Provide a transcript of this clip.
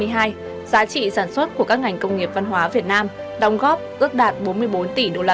giá trị sản xuất của các ngành công nghiệp văn hóa việt nam đóng góp ước đạt bốn mươi bốn tỷ usd